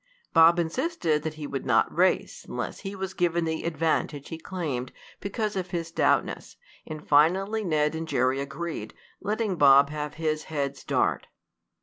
Bob insisted that he would not race unless he was given the advantage he claimed because of his stoutness, and finally Ned and Jerry agreed, letting Bob have his "head start."